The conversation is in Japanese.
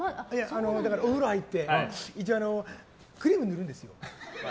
お風呂入って一応クリームを塗るんですよ。